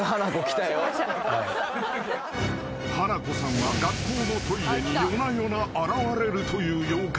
［花子さんは学校のトイレに夜な夜な現れるという妖怪］